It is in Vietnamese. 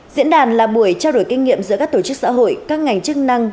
diễn đàn là buổi trao đổi kinh nghiệm giữa các tổ chức xã hội các ngành chức năng